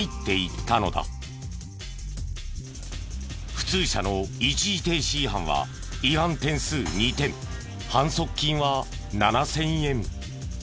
普通車の一時停止違反は違反点数２点反則金は７０００円。